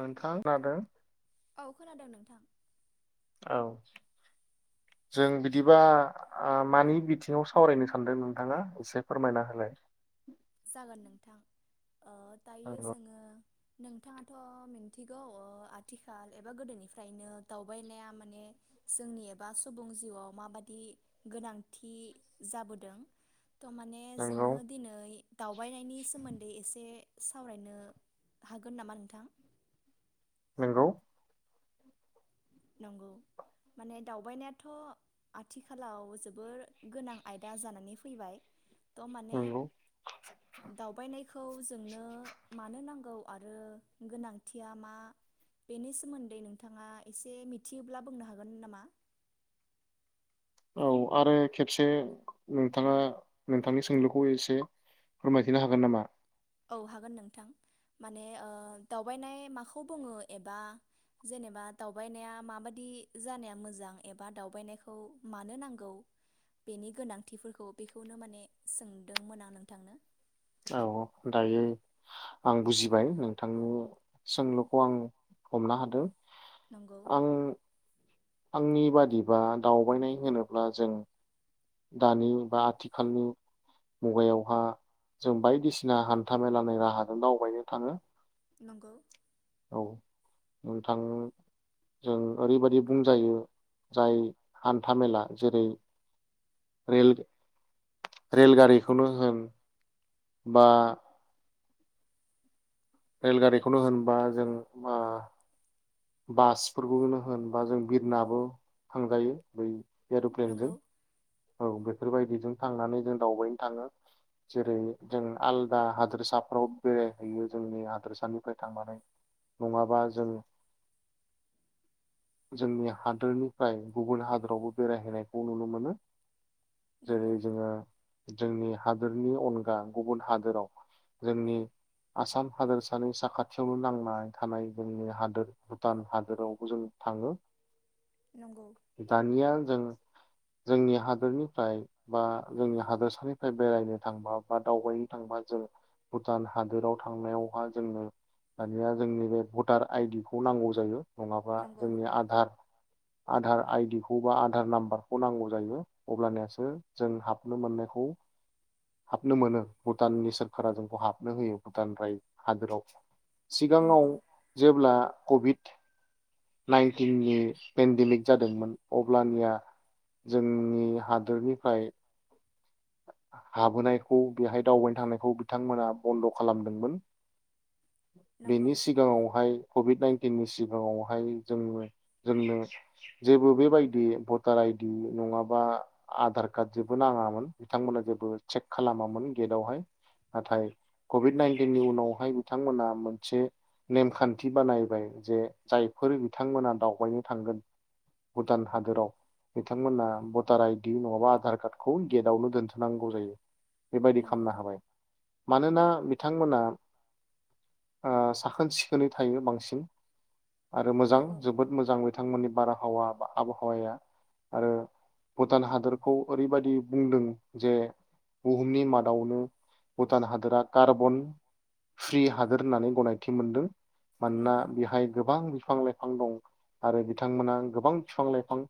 मोनखां लादों औ खोनादों नोंथां। औ जों बिदिबा आं मा मानि बिथिङाव सावरायनो सानदों नोंथाङा एसे फोरमायना होलाय? जागोन नोंथां। दायो नंगौ जोङो नोंथाङाथ मिन्थिगौ ओ आथिखाल एबा गोदोनिफ्रायनो दावबायनाया माने जोंनि एबा सुबुं जिउआव माबादि गोनांथि जाबोदों। थ माने नंगौ जोङो दिनै दावबायनायनि सोमोन्दै एसे सावरायनो हागोन नामा नोंथां? हेलौ नंगौ माने दावबायनायाथ आथिखालाव जोबोर गोनां आयदा जानानै फैबाय। थ माने नंगौ दावबायनाय खौ जोंनो मानो नांगौ आरो गोनांथिया मा बेनि सोमोन्दै नोंथाङा एसे मिथियोब्ला बुंनो हागोन मोन नामा? औ आरो खेबसे नोंथाङा नोंथांनि सोंलुखौ एसे फोरमायथिनो हागोन नामा? औ हागोन नोंथां माने ओ दावबायनाय माखौ बुङो एबा जेनेबा दावबायनाया माबादि जानाया मोजां एबा दावबायनायखौ मानो नांगौ बेनि गोनांथिफोरखौ बेखौनो माने सोंदोंमोन आं नोंथांनो? औ दायो आं बुजिबाय नोंथांनि सोंलुखौ आं हमनो हादों। नंगौ आं आंनि बादिबा दावबायनाय होनोब्ला जों दानि बा आथिखालनि मुगायावहा जों बायदिसिना हान्था मेलानि राहाजों दावबायनो थाङो। नंगौ औ नोंथां जों ओरैबायाददि बुंजायो जाय हान्था मेला जेरै रेल रेलगारिखौनो होन बा रेलगारिखौनो होनबा जों मा बास फोरखौनो होनबा जों बिरनाबो थांजायो बै एर'प्लेनजों। नंगौ औ बेफोर बायदिजों थांनानै जों दावबायनो थाङो जेरै जों आलदा हादोरसाफ्राव बेरायहैयो जोंनि हादोरसानिफ्राय थांनानै नङाबा जों जोंनि हादोरनिफ्राय गुबुन हादोरावबो बेराय‌ हैनायखौ नुनो मोनो जेरै नंगौ जोङो जोंनि हादोरनि अनगा गुबुन हादोराव जोंनि आसाम हादोरसानि साखाथियावनो नांनानै थानाय जोंनि हादोर भुटान हादोरावबो जों थाङो नंगौ दानिया जों जोंनि हादोरनिफ्राय बा जोंनि हादोरसानिफ्राय बेरायनो थांबा बा दावबायनो थांबा जों भुटान हादोराव थांनायावहा जोंनो मानिया जोंनि बे भटार आइडिखौ खौ नांगौ जायो नङाबा नंगौ जोंनि आधार आधार आइडिखौ बा आधार नाम्बारखौ नांगौ जायो अब्लनियासो जों हाबनो मोननायखौ हाबनो मोनो भुटाननि सोरखारा जोंखौ हाबनो होयो भुटान राय हादोराव सिगाङाव नंगौ जेब्ला कभिड नाइनटिननि पेन्डेमिक जादोंमोन अब्लानिया जोंनि हादोरनिफ्राय हाबोनायखौ बेहाय दावबायनो थांनायखौ बिथांमोना बन्द' खालामदोंमोन नंगौ बेनि सिगाङावहाय कभिड नाइन दिननि सिगाङावहाय जोंङो जोंनो जेबो बेबायदि भटार आइदि नङाबा आधार कार्ड जेबो नाङामोन बिथांमोना जेबो चेक खालामामोन गेटआवहाय नाथाय कभिड नाइनटिननि उनावहाय बिथांमोना मोनसे नेमखान्थि बानायबाय जे जायफोर बिथांमोना दावबायनो थांगोन भुटान हादोराव बिथांमोना भटार आइडि नङाबा आधार कार्डखौ गेटावनो दोनथनांगौ जायो बेबायदि नंगौ खालामनो हाबाय मानोना बिथांमोना ओ साखोन सिखोनै थायो बांसिन आरो मोजां नंगौ जोबोद मोजां बिथांमोननि बारहावा आबहावाया आरो भुटान हादरखौ ओरैबादि बुंदों जे बुहुमनि माद आवनो भुटान हादोरा कार्बन फ्रि हादोर होननानै गनायथि मोनदों मानोना नंगौ बेहाय गोबां बिफां लाइफां बिफां दं आरो बिथांमोना गोबां बिफां लाइफां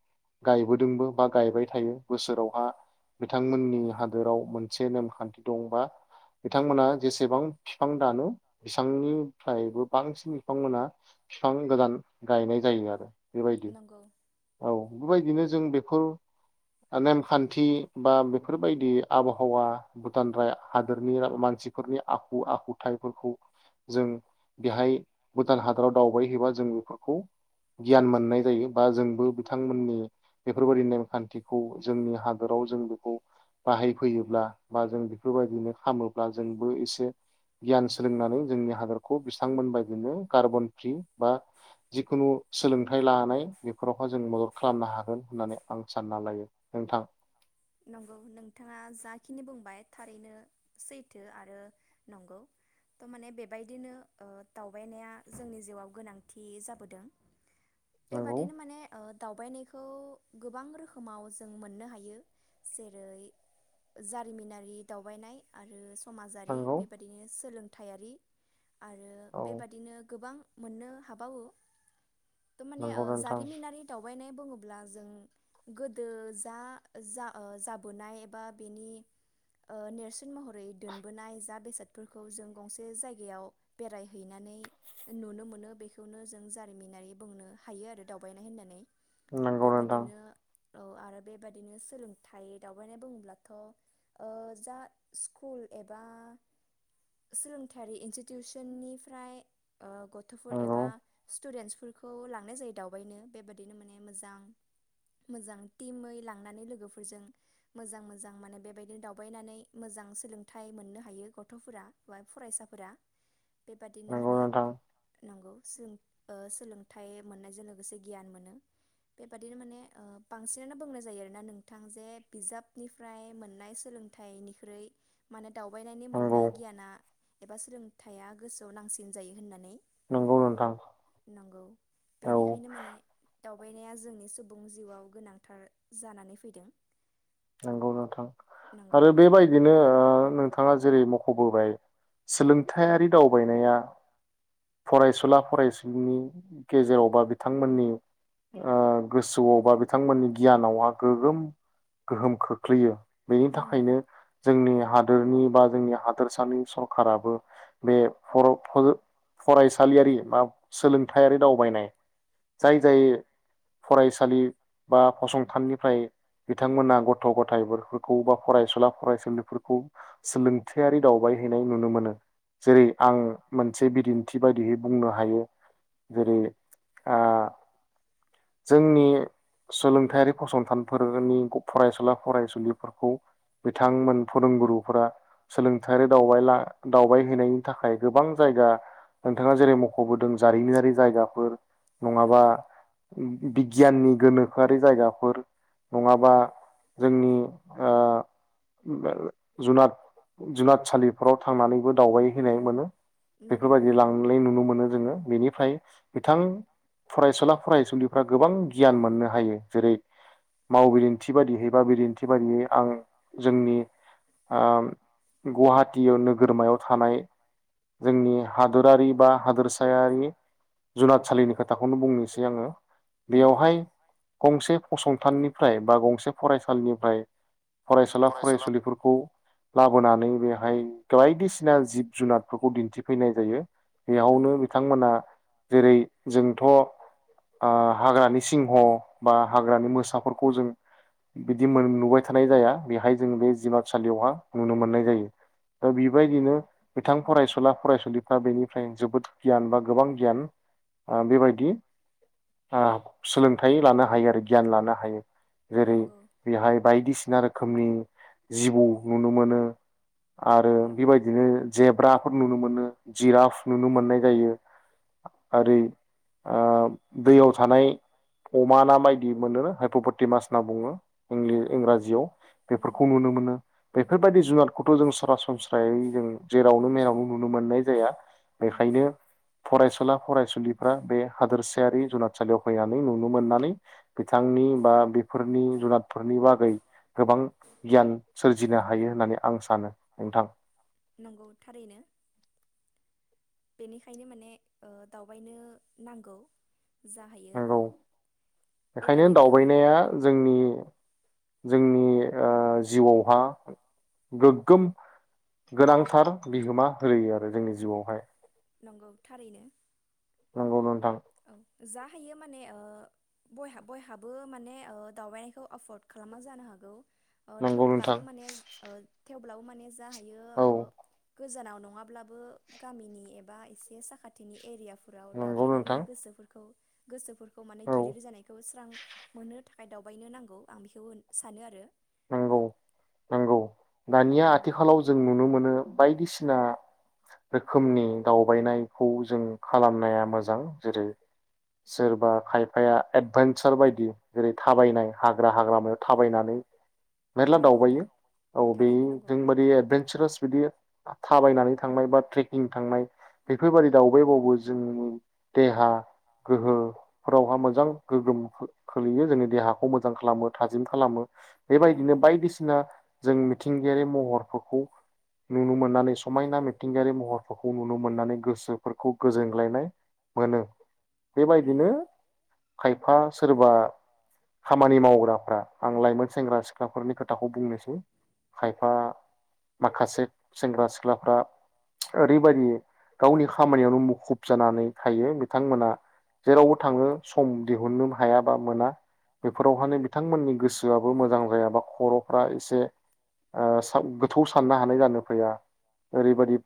गायबोदोंबो बा गायबाय थायो बोसोरावहा बिथांमोननि हादोराव मोनसे नेमखान्थि दंबा बिथांमोना जेसेबां बिफां दानो बिसांनिफ्रायबो बांसिन बिथांमोना बिफां गोदान गायनाय जायो आरो बेबायदि नंगौ औ बेबायदिनो जों बेफोर नेमखान्थि बा बेफोरबायदि आबहावा भुटान राय हादोरनि मानसिफोरनि आखु आखुथायाइफोरखौ जों बेहाय भुटान हादोराव दावबायहैबा जों बेफोरखौ गियान मोननाय जायो बा जोंबो बिथांमोननि बेफोर बायदि नेमखान्थिखौ जोंनि हादोर आव जोंबो बाहायफैयोब्ला बा जों बेफोरबायदिनो खालाममोब्ला जोंबो एसे गियान सोलोंनानै जोंनि हादरखौ बिथांमोन बायदिनो कार्बन फ्रि बा जिखुनु सोलोंथाइ लानाय बेफोरावहाय जों मदद खालामनो हागोन होननानै आं सानना लायो नोंथां नंगौ नोंथाङा जाखिनि बुंबाय थारैनो सैथो आरो नंगौ थ' माने बेबायदिनो ओ दावबायनाया जोंनि जिउआव गोनांथि जाबोदों नंगौ बेबादिनो माने ओ दावबायनायखौ गोबां रोखोमाव जों मोननो हायो जेरै जारिमिनारि दावबायनाय आरो समाजारि नंगौ बेबायदिनो सोलोंथायारि आरो औ बेबादिनो गोबां मोननो हाबावो थमाने नंगौ नोंथां जारिमिनारि दावबायनाय बुङोब्ला जों गोदो जा जा जाबोनाय एबा बेनि ओ नेरसोन महरै दोनबोनाय जा बेसादफोरखौ जों गंसे जायगायाव बेरायहैनानै नुनो मोनो बेखौनो जों जारिमिनारि बुंनो हायो आरो दावबायनाय होननानै नंगौ नोंथां बेबादिनो औ आरो बेबायदि बिदिनो सोलोंथाइ दावबायनाय बुङोब्लाथ' ओ जा स्कुल एबा सोलोंथायारि इनस्टि टिउसननिफ्राय गथ'फोर नंगौ एबा स्टुडेन्स फोरखौ लांनाय जायो दावबायनो बेबायदिनो माने मोजां मोजां टिमै थांनानै लोगोफोरजों मोजां मोजां माने बेबायदिनो दावबायनानै मोजां सोलोंथाइ मोननो हायो गथ'फोरा बा फरायसाफोरा बेबादिनो नंगौ माने नोंथां नंगौ ओ सोलोंथाइ मोननायजों लोगोसे गियान मोनो बेबादिनो माने बांसिनानो बुंनाय जायो आरो मानोना नोंथां जे बिजाबनिफ्राय मोननाय सोलोंथाइनिख्रुइ माने दावबायनायनि नंगौ मोननाय गियाना एबा सोलोंथायाइया गोसोआव नांसिन जायो होननानै नंगौ नोंथां नंगौ औ बेनिखायनो माने दावबायनाया जोंनि सुबुं जिउआव गोनांथार जानानै फैदों नंगौ नोंथां नंगौ आरो बेबायदिनो ओ नों थाङा जेरै मख'बोबाय सोलोंथायारि दावबायनाया फरायसुला फरायसुलिनि गेजेराव बा बिथांमोननि ओ गोसोआव बा बिथांमोननि गियानावहा गोगोम गोहोम खोख्लैयो बेनि नंगौ थाखायनो जोंनि हादोरनि बा जोंनि हादोरसानि सरखाराबो बे फर-फरा- फरायसालियारि बा सोलोंथायारि दावबायनाय जाय जाय फरायसालि बा फसंथाननिफ्राय बिथांमोना गथ' गथायफोरखौ बा फरायसुला फरायसुलिफोरखौ सोलोंथायारि दावबायहैनाय नुनो मोनो जेरै आं मोनसे बिदिन्थि बायदियै बुंनो हायो जेरै आ जोंनि सोलोंथायारि फसंथानफोरनि फरायसुला फरायसुलिफोरखौ बिथांमोन फोरोंगुरुफोरा सोलोंथायारि दावबायला दावबायहैनायनि थाखाय गोबां जायगा नोंथाङा जेरै मख'बोदों जारिमिनारि जायगाफोर नङाबा नंगौ बिगियाननि गोनोखोआरि जायगाफोर नङाबा जोंनि ओ जुनाद जुनादसालिफोराव थांनानैबो दावबायहैनाय मोनो नंगौ बेफोरबायदि लांनाय नुनो मोनो जोङो बेनि बिथां फरायसुला फरायसुलिफ्रा गोबां गियान मोननो हायो जेरै मावबिलि थि बाददियै बा बिदिन्थि बादियै आं जोंनि गुवाहाटीयाव नोगोरमायाव थानाय जोंनि हादोरारि बा हादोरसायारि जुनादसालिनि खोथाखौनो बुंनोसै आङो नंगौ बेयावहाय गंसे फसंथाननिफ्राय बा गं से फरायसालिनिफ्राय फरायसुला फरायसुलिफोरखौ लाबोनानै बेहाय बायदिसिना जिब जुनारफोरखौ दिन्थिफैनाय जायो बेयावनो नंगौ बिथांमोना जेरै जोंथ' आ हाग्रानि सिंह बा हाग्रानि मोसाफोरखौ जों बिदि नुबाय थानाय जाया बेहाय जों बे जुनारसालियावहा नुनो मोननाय जायो दा बेबायदिनो बिथां फरायसुला फरायसुलिफ्रा बेनिफ्राय जोबोद गियान बा गोबां गियान ओ बेबायदि आ सोलोंथायाइ लानो हायो आरो गियान लानो हायो जेरै नंगौ बेहाय बायदिसिना रोखोमनि जिबौ नुनो मोनो आरो नंगौ बेबायदिनो जेब्राफोर नुनो मोनो जिराफ नुनो मोननाय जायो ओरो ओ दैयाव थानाय अमा ना बायदि मोनोनो हायपपति मास बुङो नंगौ इंराजियाव नंगौ बेफोरखौ नुनो मोनो बेफोरबाय दि जुनादखौथ' जों सरासनस्रायै जों जेरावनो मेरावनो नुनो मोननाय जाया नंगौ बेखायनो फरायसुला फरायसुलि फ्रा बे हादोरसायारि जुनादसालियाव फैनानै नुनो मोननानै बिथांनि बा बिफोरनि जुनादफोरनि बागै गोबां गियान सोरजिनो हायो होननानै आं सानो नोंथां नंगौ थारैनो बेनिखायनो माने ओ दावबायनो नांगौ जा हायो नंगौ बेखायनो बेबादिनो मा दावबायनाया औ जोंनि जोंनि ओ जिउआवहा गोग्गोम गोनांथार बिहोमा होलोयो आरो जोंनि जिउआवहाय नंगौ थारैनो नंगौ नों थां औ जा हायो माने ओ बयहा बयहाबो माने ओ दावबायनायखौ एफर्द खालामा जानो हागौ ओ नंगौ नोंथां थेवब्लाबो माने ओ थेवब्लाबो माने जा हायो औ ओ गोजानाव नङाब्लाबो गामिनि एबा एसे साखाथिनि एरियाफोराव नंगौ दावबायनानै नोंथां खौ गोसोफोर खौ माने औ गेलिर जानायखौ स्रां मोननो थाखाय दावबायनो नांगौ आं बेखौ सानो आरो नंगौ नंगौ दानिया नंगौ आथिखालाव जों नुनो मोनो बायदिसिना रोखोमनि दावबायनायखौ जों खालामनाया मोजां जेरै सोरबा खायफाया एडभेेनसार बायदि जेरै थाबायनाय हाग्रा हाग्रानो थाबायनानै मेरला नंगौ दावबायो थार औ बे थारैनो नंगौ जोंबादि एडभेनसारास बिदि थाबायनानै थांनाय बा ट्रेकिं थांनाय बेफोर बायदि दावबाय बावबो जोंनि देहा गोहोफोरावहा मोजां गोगोम खोलैयो जोंनि देहाखौ मोजां खालामो थाजिम खालामो बेबायदिनो नंगौ बायदिसिना जों मिथिंगायारि महरफोरखौ नुनो मोननानै समायना मिथिंगायारि महरफोरखौ नुनो मोननानै गोसोफोरखौ गोजोनग्लायनाय मोनो बेेबायदिनो नंगौ खायफा सोरबा खामानि मावग्राफ्रा आं लाइमोन सेंग्रा सिख्लाफोरनि खोथाखौ बुंनोसै खायफा माखासे सेंग्रा सिख्लाफ्रा ओरैबायदि गावनि खामानियावनो मुखुब जानानै थायो बिथांमोना जेरावबो थाङो सम दिहुननो हायाबा मोना बेफोरावहानो बिथांमोननि गोसोआ मोजां जाया बा खर'फ्रा एसे ओ गोथौ साननो हानाय जानाय फैया ओरैबायदि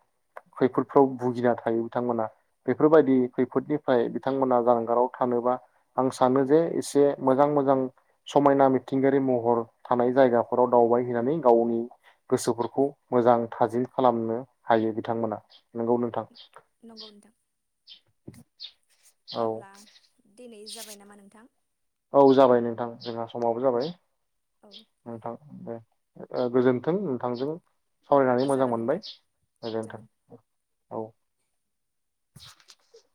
खैफोदफ्राव भुगिना थायो बिथांमोना बेफोरबायदि खैफोदनिफ्राय बिथांमोना जानगाराव थानोबा आं सानो जे एसे मोजां मोजां समायना निथि मिथिंगायारि महर थानाय जायगाफोराव दावबाय हैनानै गावनि गोसोफोरखौ मोजां थाजिम खालामनो हायो बिथांमोन मोना नोंगौ नोंथां [inaudible] नंगौ नोंथां औ अब्ला दिनै जाबाय नामा नोंथां औ जाबाय नोंथां जोंहा समावबो जाबाय औ नोंथां दे ओ गोजोन्थों नोंथांजों सावरायनानै मोजां जागोन मोनबाय नोंथां जागोन गोजोन्थों औ [inaudible]